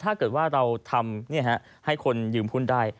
ถ้าเกิดว่าเราทำให้คนยืมหุ้นได้